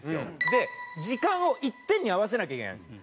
で時間を一点に合わせなきゃいけないんです。